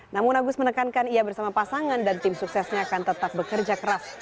namun agus menekankan ia bersama pasangan dan tim suksesnya akan tetap bekerja keras